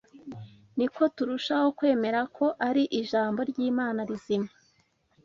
ni ko turushaho kwemera ko ari ijambo ry’Imana nzima